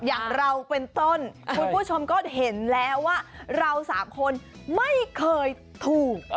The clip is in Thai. อย่างเราเป็นต้นคุณผู้ชมก็เห็นแล้วว่าเราสามคนไม่เคยถูก